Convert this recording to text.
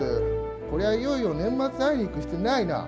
こりゃいよいよ、年末、会いに行く必要ないなあ。